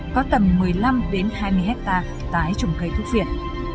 có tầm một mươi năm hai mươi hectare tái trồng cây thuốc viện